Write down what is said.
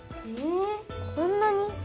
えこんなに？